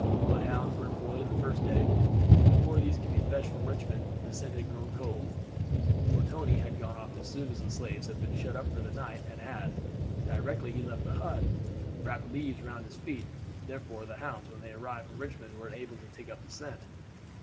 Bloodhounds were employed the first day, but before these could be fetched from Richmond the scent had grown cold; for Tony had gone off as soon as the slaves had been shut up for the night and had, directly he left the hut, wrapped leaves round his feet, therefore the hounds, when they arrived from Richmond, were unable to take up the scent.